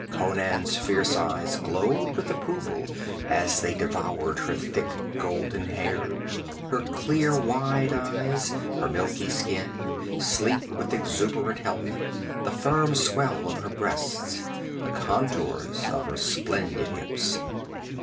Conan's fierce eyes glowed with approval as they devoured her thick golden hair, her clear wide eyes, her milky skin, sleek with exuberant health, the firm swell of her breasts, the contours of her splendid hips.